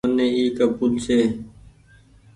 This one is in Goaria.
مني اي ڪبول ڇي ۔